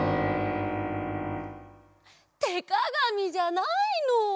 てかがみじゃないの！